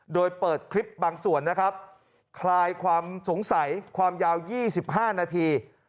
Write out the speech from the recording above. โดยเปิดคลิปบางส่วนนะครับคลายความสงสัยความยาว๒๕นาที